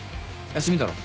休みだろ？